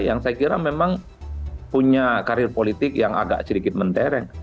yang saya kira memang punya karir politik yang agak sedikit mentereng